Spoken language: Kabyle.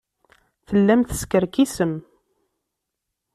Tellam teskerkisem.